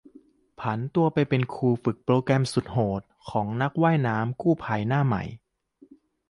ผันตัวไปเป็นครูฝึกโปรแกรมสุดโหดของนักว่ายน้ำกู้ภัยหน้าใหม่